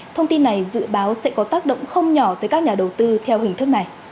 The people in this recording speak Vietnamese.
thông tin này dự báo sẽ có tác động không nhỏ tới các nhà đầu tư